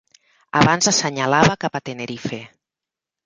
Abans assenyalava cap a Tenerife.